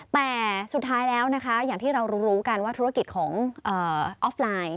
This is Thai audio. แต่สุดท้ายแล้วนะคะอย่างที่เรารู้กันว่าธุรกิจของออฟไลน์